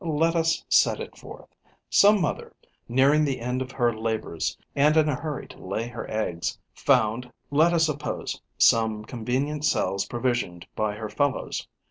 Let us set it forth. Some mother, nearing the end of her labours and in a hurry to lay her eggs, found, let us suppose, some convenient cells provisioned by her fellows.